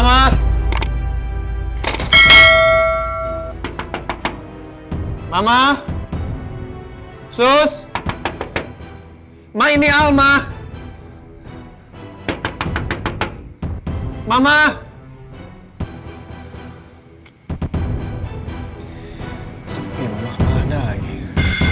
pemilik panggilan tidak bisa menerima panggilan sekarang